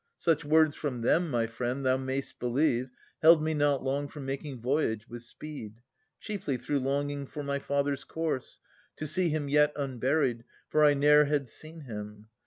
Such words from them, my friend, thou may'st believe, Held me not long from making voyage with speed. Chiefly through longing for my father's corse. To see him yet unburied, — for I ne'er Had seen him".